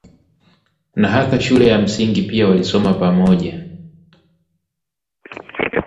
na hata shule ya msingi pia walisoma pamoja